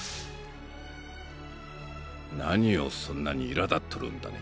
何をそんなにいらだっとるんだね。